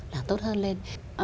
làm tốt hơn lên